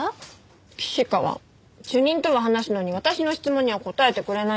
岸川主任とは話すのに私の質問には答えてくれないんです。